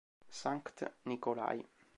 Sankt Nikolai